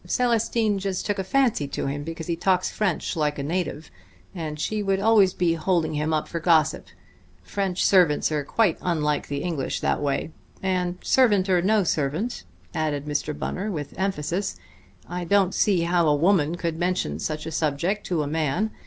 Célestine just took a fancy to him because he talks French like a native, and she would always be holding him up for a gossip. French servants are quite unlike English that way. And servant or no servant," added Mr. Bunner with emphasis, "I don't see how a woman could mention such a subject to a man.